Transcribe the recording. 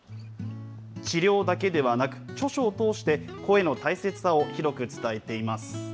治療だけではなく、著書を通して、声の大切さを広く伝えています。